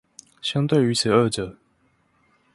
相對於此二者